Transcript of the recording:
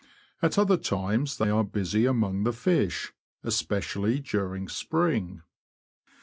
At other times they are busy among the fish, especially during spring.